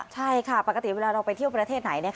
ใช่ค่ะปกติเวลาเราไปเที่ยวประเทศไหน